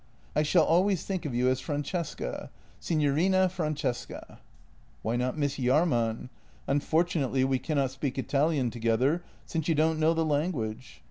"I shall always think of you as Francesca — signorina Francesca." "Why not Miss Jahrman? Unfortunately we cannot speak Italian together, since you don't know the language."